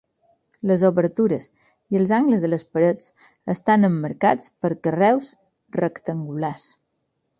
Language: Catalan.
Les obertures i els angles de les parets estan emmarcats per carreus rectangulars.